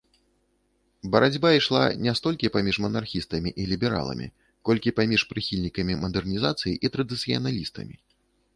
Барацьба ішла не столькі паміж манархістамі і лібераламі, колькі паміж прыхільнікамі мадэрнізацыі і традыцыяналістамі.